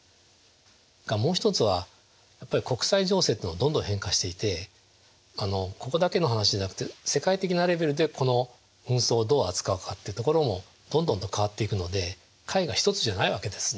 それからもう一つはやっぱり国際情勢っていうのがどんどん変化していてここだけの話ではなくて世界的なレベルでこの紛争をどう扱うかっていうところもどんどんと変わっていくので解が一つじゃないわけですね。